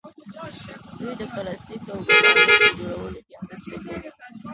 دوی د پلاستیک او ګلالي په جوړولو کې مرسته کوي.